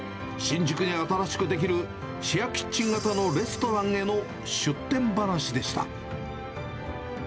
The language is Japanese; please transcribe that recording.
新宿に新しく出来るシェアキッチン型のレストランへの出店話でした。